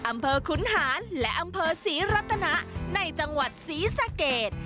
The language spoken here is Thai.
ขุนหารและอำเภอศรีรัตนะในจังหวัดศรีสะเกด